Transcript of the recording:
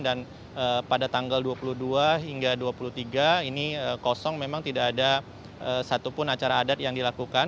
dan pada tanggal dua puluh dua hingga dua puluh tiga ini kosong memang tidak ada satupun acara adat yang dilakukan